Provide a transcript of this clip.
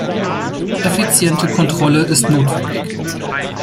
Effiziente Kontrolle ist notwendig.